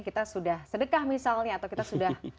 kita sudah sedekah misalnya atau kita sudah